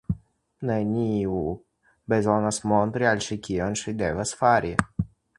Neniu bezonas montri al ŝi, kion ŝi devas fari.